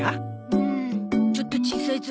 うーんちょっと小さいゾ。